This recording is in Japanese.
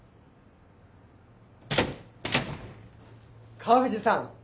川藤さん。